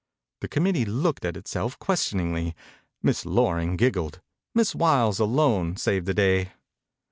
The committee looked at it self questioningly. Miss Loring giggled. Miss Wiles alone saved the, day.